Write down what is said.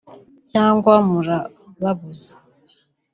cyangwa murababuza